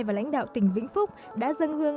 và lãnh đạo tỉnh vĩnh phúc đã dâng hương